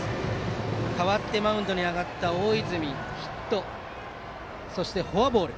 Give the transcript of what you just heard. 代わってマウンドに上がった大泉ヒット、そしてフォアボール。